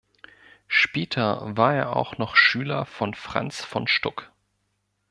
Später war er auch noch Schüler von Franz von Stuck.